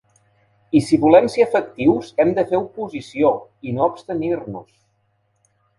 I si volem ser efectius hem de fer oposició, i no abstenir-nos.